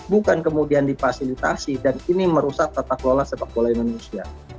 bukan kemudian dipasilitasi dan ini merusak tata kelola sepak bola indonesia